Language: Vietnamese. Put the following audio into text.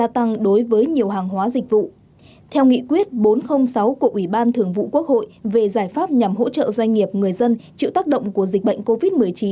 theo nghị quyết bốn trăm linh sáu của ủy ban thường vụ quốc hội về giải pháp nhằm hỗ trợ doanh nghiệp người dân chịu tác động của dịch bệnh covid một mươi chín